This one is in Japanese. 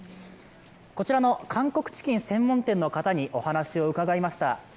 こちらの韓国チキン専門店の方にお話を伺いました。